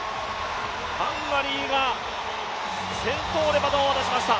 ハンガリーが先頭でバトンを渡しました。